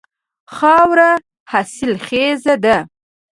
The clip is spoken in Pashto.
خاوره حاصل خیزه ده.